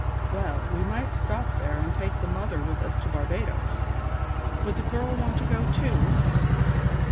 Well, we might stop there and take the mother with us to Barbadoes. Would the girl want to go too?"